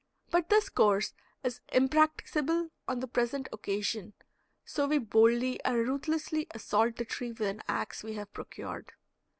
But this course is impracticable on the present occasion, so we boldly and ruthlessly assault the tree with an ax we have procured.